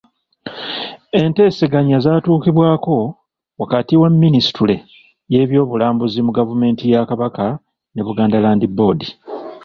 Enteeseganya zaatuukibwako wakati wa minisitule y’ebyobulambuzi mu gavumenti ya Kabaka ne Buganda Land Board.